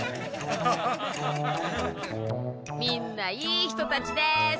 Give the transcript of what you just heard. みんないい人たちです。